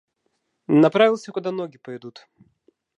направился куда ноги пойдут.